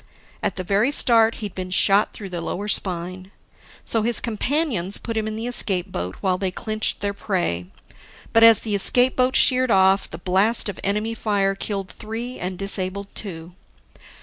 At the very start he'd been shot through the lower spine. So, his companions put him in the escape boat while they clinched their prey. But as the escape boat sheered off, the blast of enemy fire killed three and disabled two.